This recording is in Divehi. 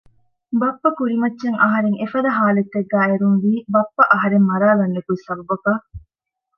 ބައްޕަ ކުރިމައްޗަށް އަހަރެން އެފަދަ ހާލަތެއްގައި އެރުންވީ ބައްޕަ އަހަރެން މަރާލަން ނިކުތް ސަބަބަކަށް